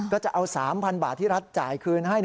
ก็จะเอา๓๐๐บาทที่รัฐจ่ายคืนให้